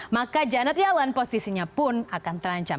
maka janet yellen posisinya pun akan terancam